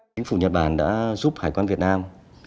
chính phủ nhật bản đã giúp hải quan việt nam